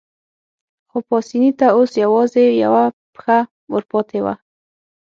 خو پاسیني ته اوس یوازې یوه پښه ورپاتې وه.